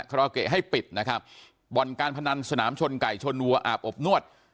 ราเกะให้ปิดนะครับบ่อนการพนันสนามชนไก่ชนวัวอาบอบนวด